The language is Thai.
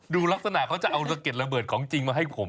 ดูลักษณะเขาจะเอาระเก็ดระเบิดของจริงมาให้ผม